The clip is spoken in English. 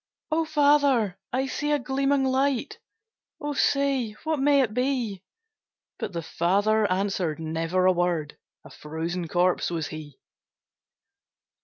'O father! I see a gleaming light, O say, what may it be?' But the father answered never a word, A frozen corpse was he.